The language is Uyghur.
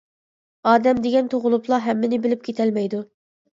ئادەم دېگەن تۇغۇلۇپلا ھەممىنى بىلىپ كېتەلمەيدۇ.